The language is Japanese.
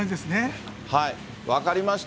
分かりました。